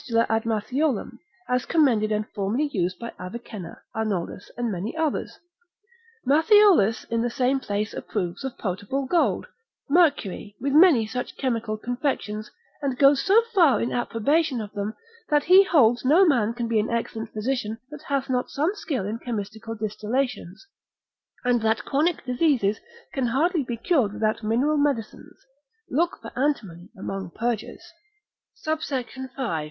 ad Matthiolum, as commended and formerly used by Avicenna, Arnoldus, and many others: Matthiolus in the same place approves of potable gold, mercury, with many such chemical confections, and goes so far in approbation of them, that he holds no man can be an excellent physician that hath not some skill in chemistical distillations, and that chronic diseases can hardly be cured without mineral medicines: look for antimony among purgers. SUBSECT. V.